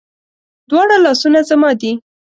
دواړه لاسونه زما دي